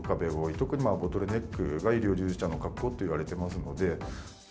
特にボトルネックが、医療従事者の確保といわれてますので。